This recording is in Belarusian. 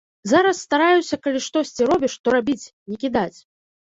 Зараз стараюся, калі штосьці робіш, то рабіць, не кідаць.